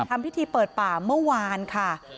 ทำพิธีเปิดป่าเมื่อวานค่ะ